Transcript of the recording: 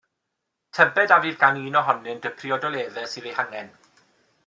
Tybed a fydd gan un ohonynt y priodoleddau sydd eu hangen?